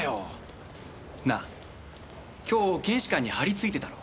なあ今日検視官に張りついてたろ？